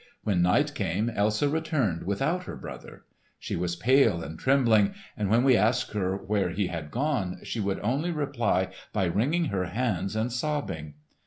When night came, Elsa returned without her brother. She was pale and trembling, and when we asked her where he had gone, she would only reply by wringing her hands and sobbing.